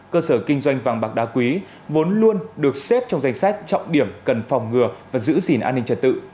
cơ sở kinh doanh vàng bạc đá quý vốn luôn được xếp trong danh sách trọng điểm cần phòng ngừa và giữ gìn an ninh trật tự